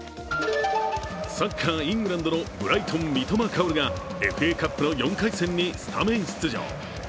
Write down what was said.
サッカー、イングランドのブライトン・三笘薫がＦＡカップの４回戦にスタメン出場。